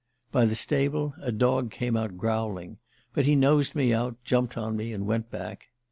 ... By the stable a dog came out growling but he nosed me out, jumped on me, and went back...